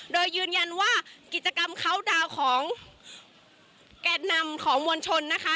โดยยืนยันว่ากิจกรรมเขาดาวน์ของแก่นำของมวลชนนะคะ